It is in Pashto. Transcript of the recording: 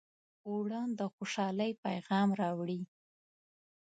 اوړه د خوشحالۍ پیغام راوړي